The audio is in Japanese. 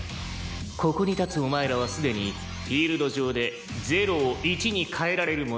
「ここに立つお前らはすでにフィールド上で０を１に変えられる者だ」